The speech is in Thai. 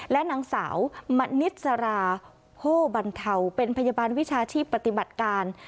และนางสาวมณิสราโพบรรเทาเป็นพยาบาลวิชาชีพปฏิบัติการ